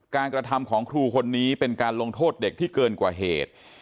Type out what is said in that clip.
กระทำของครูคนนี้เป็นการลงโทษเด็กที่เกินกว่าเหตุ